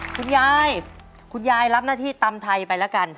คุณยายคุณยายรับหน้าที่ตำไทยไปแล้วกัน